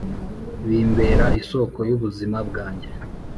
bimbera isoko y’ubuzima bwanjye